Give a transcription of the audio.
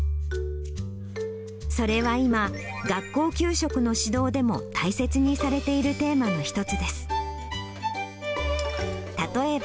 それは今、学校給食の指導でも大切にされているテーマの一つです。